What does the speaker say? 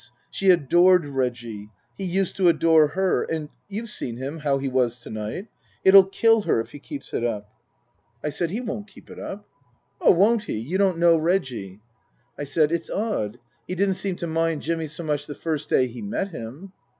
She adored Reggie. He used to adore her and you've seen him, how he was to night, It'll kill her if he keeps it up." 12* 180 Tasker Jevons I said, " He won't keep it up." " Oh, won't he ! You don't know Reggie." I said, " It's odd. He didn't seem to mind Jimmy so much the first day he met him."